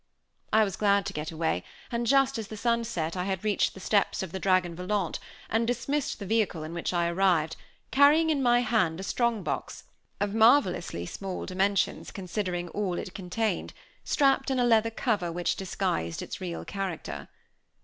I was glad to get away, and just as the sun set I had reached the steps of the Dragon Volant, and dismissed the vehicle in which I arrived, carrying in my hand a strong box, of marvelously small dimensions considering all it contained, strapped in a leather cover which disguised its real character.